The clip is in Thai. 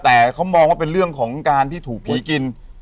แต่เขามองว่าเป็นเรื่องของการที่ถูกผีกิน